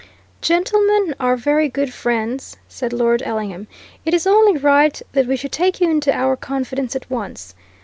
"Gentlemen our very good friends," said Lord Ellingham, "it is only right that we should take you into our confidence at once.